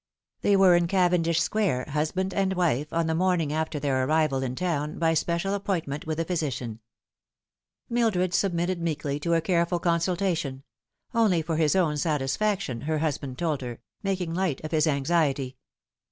They were in Cavendish Square, husband and wife, on the morning after their arrival in town, by special appointment with the physician. Mildred submitted meekly to a careful con sultation only for his own satisfaction, her husband told her, making light of his anxiety.